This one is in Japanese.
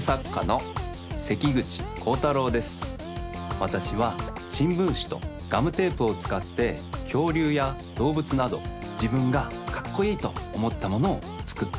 わたしはしんぶんしとガムテープをつかってきょうりゅうやどうぶつなどじぶんがかっこいいとおもったものをつくっています。